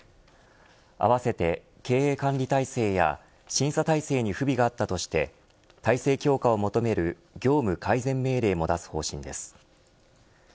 あわせて経営管理体制や審査体制に不備があったとして体制強化を求める業務改善命令も出す方針です。